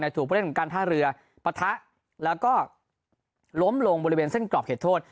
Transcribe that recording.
ถูกผู้เล่นของการท่าเรือปะทะแล้วก็ล้มลงบริเวณเส้นกรอบเขตโทษ